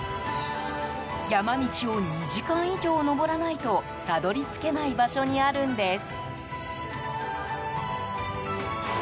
山道を２時間以上登らないとたどり着けない場所にあるんです。